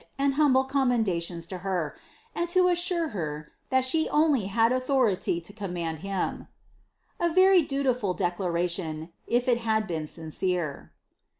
and humble commendations to her, and to assure her that she only had authority to command him." ' A very dutiful decla ration, if it had been sincere.